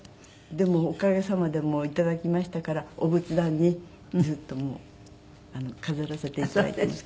でもおかげさまで頂きましたからお仏壇にずっともう飾らせて頂いています。